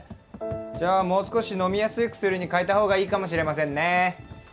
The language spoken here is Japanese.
じゃあもう少し飲みやすい薬に変えたほうがいいかもしれませんね！